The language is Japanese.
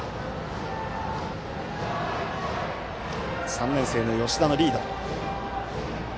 ３年生の吉田のリード。